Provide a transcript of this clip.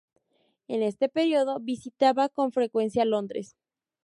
En este período, visitaba con frecuencia Londres.